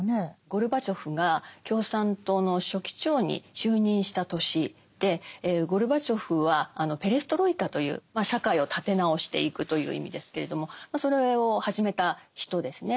ゴルバチョフが共産党の書記長に就任した年でゴルバチョフはあのペレストロイカという社会を立て直していくという意味ですけれどもそれを始めた人ですね。